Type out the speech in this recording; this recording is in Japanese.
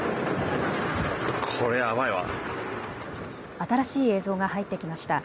新しい映像が入ってきました。